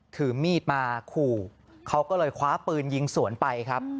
ถือมีดมาขู่เขาก็เลยคว้าปืนยิงสวนไปครับ